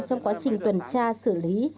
trong quá trình tuần tra xử lý